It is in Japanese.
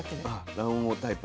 卵黄タイプ。